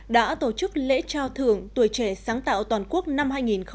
đã tổ chức lễ trao thưởng tuổi trẻ sáng tạo toàn quốc năm hai nghìn hai mươi